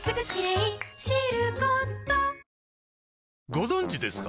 ご存知ですか？